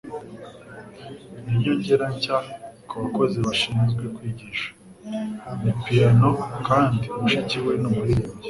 Ni inyongera nshya kubakozi bashinzwe kwigisha. Ni piyano kandi mushiki we ni umuririmbyi.